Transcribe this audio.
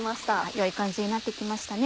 良い感じになって来ましたね。